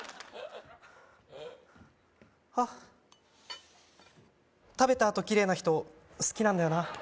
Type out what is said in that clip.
あっ食べたあとキレイな人好きなんだよな